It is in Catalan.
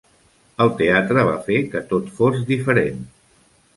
El teatre va fer que tot fos diferent.